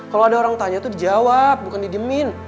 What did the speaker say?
kalo ada orang tanya tuh dijawab bukan didiemin